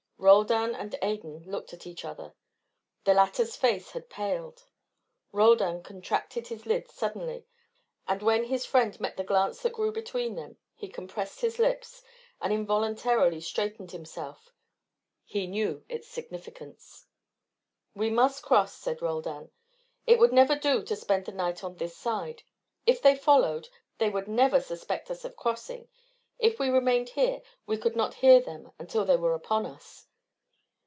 Roldan and Adan looked at each other. The latter's face had paled. Roldan contracted his lids suddenly, and when his friend met the glance that grew between them he compressed his lips and involuntarily straightened himself: he knew its significance. "We must cross," said Roldan. "It would never do to spend the night on this side. If they followed, they would never suspect us of crossing. If we remained here, we could not hear them until they were upon us."